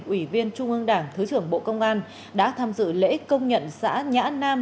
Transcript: ủy viên trung ương đảng thứ trưởng bộ công an đã tham dự lễ công nhận xã nhã nam